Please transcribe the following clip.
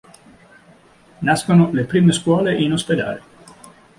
Nascono le prime Scuole in ospedale.